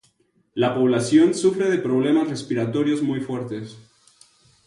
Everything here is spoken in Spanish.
La población sufre de problemas respiratorios muy fuertes.